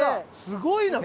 すごいな！